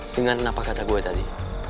dengan apa kata gue tadi